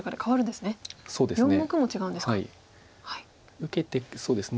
受けてそうですね